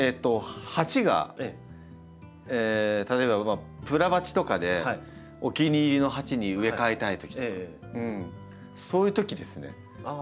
鉢が例えばプラ鉢とかでお気に入りの鉢に植え替えたいときとかそういうときですね。